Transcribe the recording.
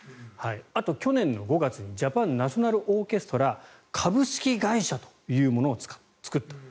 あと、去年５月にジャパン・ナショナル・オーケストラ株式会社を作った。